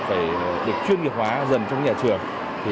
phải được chuyên nghiệp hóa dần trong nhà trường